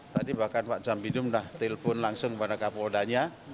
tadi bahkan pak jambidum sudah telpon langsung kepada kapoldanya